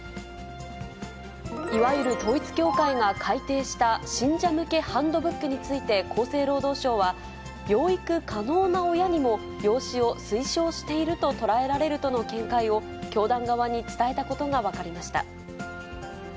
いわゆる統一教会が改訂した信者向けハンドブックについて厚生労働省は、養育可能な親にも養子を推奨していると捉えられるとの見解を、教団側に伝えたことが分かりました。